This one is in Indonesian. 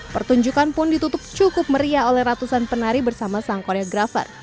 pertunjukan pun ditutup cukup meriah oleh ratusan penari bersama sang koreografer